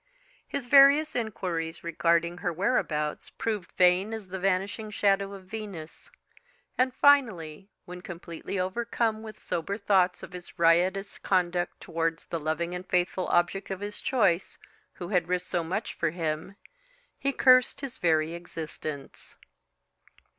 His various inquiries regarding her whereabouts proved vain as the vanishing shadow of Venus, and finally, when completely overcome with sober thoughts of his riotous conduct towards the loving and faithful object of his choice, who had risked so much for him, he cursed his very existence.